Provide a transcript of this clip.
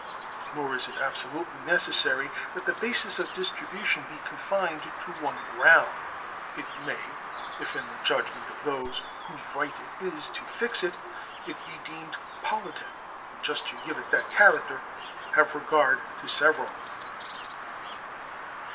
Nor is it absolutely necessary that the basis of distribution be confined to one ground. It may, if in the judgment of those whose right it is to fix it it be deemed politic and just to give it that character, have regard to several.